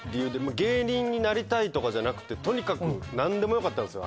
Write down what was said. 芸人になりたいとかじゃなくて何でもよかったんですよ。